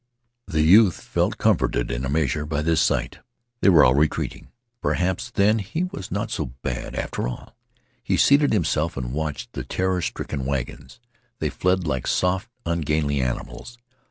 The youth felt comforted in a measure by this sight. They were all retreating. Perhaps, then, he was not so bad after all. He seated himself and watched the terror stricken wagons. They fled like soft, ungainly animals.